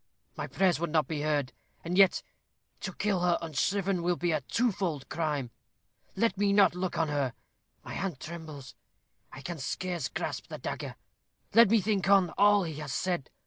My prayers would not be heard. And yet, to kill her unshriven will be a twofold crime. Let me not look on her. My hand trembles. I can scarce grasp the dagger. Let me think on all he has said.